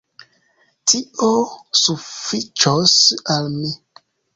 Tio sufiĉos al mi.